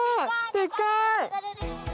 でっかい！